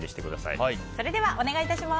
それではお願い致します。